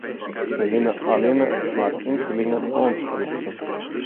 Mar se hiene allinne mar inkelingen oansprutsen.